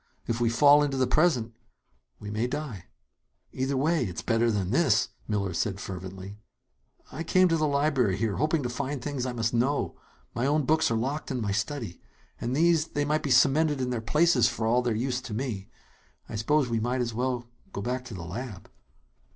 If we fall into the present we may die." "Either way, it's better than this!" Miller said fervently. "I came to the library here, hoping to find out the things I must know. My own books are locked in my study. And these they might be cemented in their places, for all their use to me. I suppose we might as well go back to the lab."